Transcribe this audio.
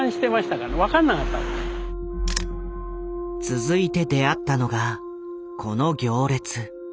続いて出会ったのがこの行列。